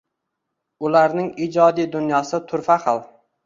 Ularning ijod dunyosi turfa xil.